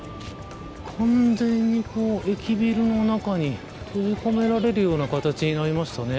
完全に駅ビルの中に閉じ込められるような形になりましたね。